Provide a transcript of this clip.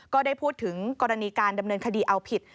ก็ได้พูดถึงกรณีการดำเนินคดีเอาผิด